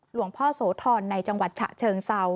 หลวงพ่อโสธรในจังหวัดฉะเชิงเซา